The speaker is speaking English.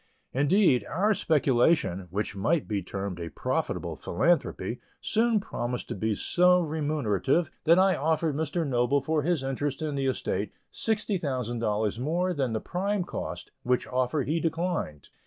Indeed, our speculation, which might be termed a profitable philanthropy, soon promised to be so remunerative, that I offered Mr. Noble for his interest in the estate, $60,000 more than the prime cost, which offer he declined.